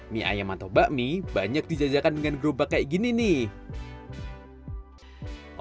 mie ayam atau bakmi banyak dijajakan dengan gerobak kayak gini nih